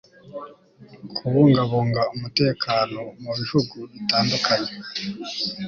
kubungabunga umutekano mu bihugu bitandukanye